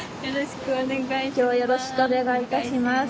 よろしくお願いします。